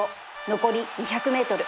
残り ２００ｍ